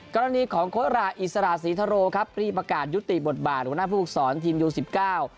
กรณีของโค้ดหราอิสระสีทะโรครับรีบประกาศยุทธีบทบาทวัหน้าภูกษรทีมยูสิบเก้า